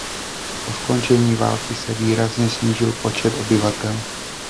Po skončení války se výrazně snížil počet obyvatel.